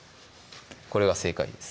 これが正解です